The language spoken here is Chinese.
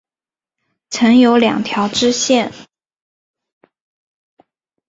曾有两条支线。